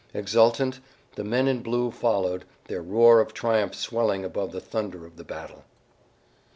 Exultant, the men in blue followed, their roar of triumph swelling above the thunder of the battle.